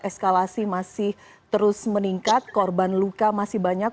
eskalasi masih terus meningkat korban luka masih banyak